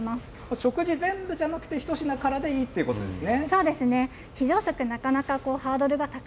食事全部じゃなくて、一品からでいいっていうことですね。